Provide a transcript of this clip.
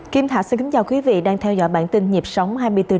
kim thạch xin kính chào quý vị đang theo dõi bản tin nhịp sống hai mươi bốn h